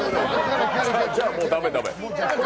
じゃ、もう駄目駄目。